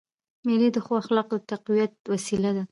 مېلې د ښو اخلاقو د تقویت وسیله دي.